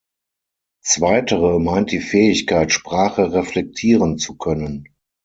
Zweitere meint die Fähigkeit, Sprache reflektieren zu können.